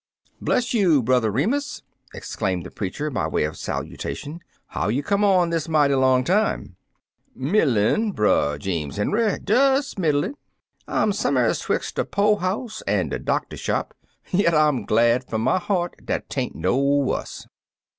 "Bless you, Brother Remus!" exclaimed the preacher by way of salutation. "How you come on this mighty long time?" "Middlin*, Brer Jeems Henry — des middlin'. Fm some'er's *twix' de po' house an' de doctor shop, yit I'm glad fum my heart dat 'tain't no wuss